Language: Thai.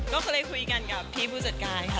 ก็เคยคุยกันกับพี่ผู้จัดการค่ะ